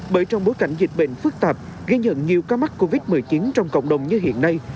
bởi trong bối cảnh dịch bệnh phức tạp ghi nhận nhiều ca mắc covid một mươi chín trong cộng đồng như hiện nay